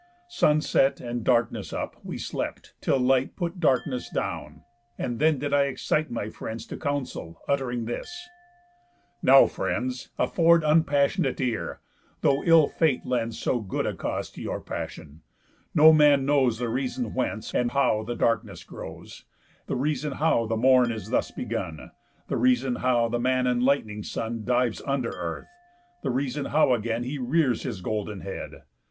Sun set, and darkness up, we slept, till light Put darkness down; and then did I excite My friends to counsel, utt'ring this: 'Now, friends, Afford unpassionate ear; though ill Fate lends So good cause to your passion, no man knows The reason whence and how the darkness grows; The reason how the morn is thus begun; The reason how the man enlight'ning sun Dives under earth; the reason how again He rears his golden head.